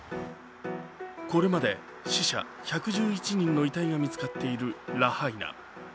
これまで死者１１１人の遺体が見つかっているラハイナ。